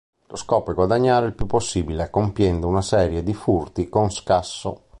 Lo scopo è guadagnare il più possibile compiendo una serie di furti con scasso.